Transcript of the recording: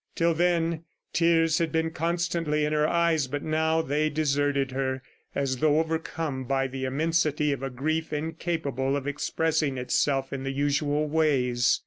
Till then, tears had been constantly in her eyes, but now they deserted her as though overcome by the immensity of a grief incapable of expressing itself in the usual ways.